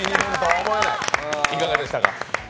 いかがでしたか？